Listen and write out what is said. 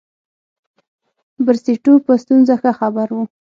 بریسټو په ستونزو ښه خبر وو.